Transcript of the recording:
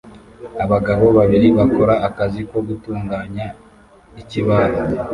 Abagabo babiri bakora akazi ko gutunganya ikibaho